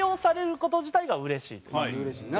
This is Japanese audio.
まずうれしいな。